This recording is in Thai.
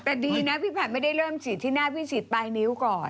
แต่ดีนะพี่ผัดไม่ได้เริ่มฉีดที่หน้าพี่ฉีดปลายนิ้วก่อน